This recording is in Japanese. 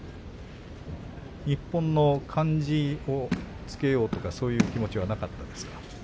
日本の漢字を付けようという気持ちはなかったですか。